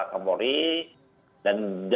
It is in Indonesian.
pak polri dan